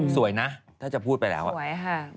สวยนะถ้าจะพูดไปแล้วสวยค่ะ